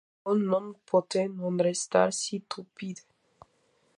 On non pote non restar stupite quando on contempla le mysterio del vita.